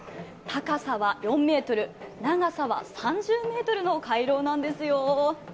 高さは４ｍ、長さは３０ｍの回廊なんですよ。